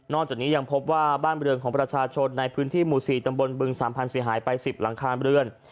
นอกจากนี้ยังพบว่าบ้านบริเวณของประชาชนในพื้นที่หมู่๔จำบลบึง๓๐๐๐ศรีหายไป๑๐หลังคาบริเวณ